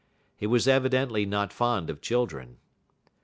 He was evidently not fond of children.